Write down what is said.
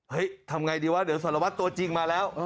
ทำไงดีวะเดี๋ยวสารวัตรตัวจริงมาแล้ว